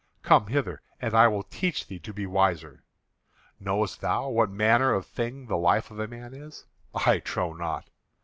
Come hither, and I will teach thee to be wiser. Knowest thou what manner of thing the life of a man is? I trow not.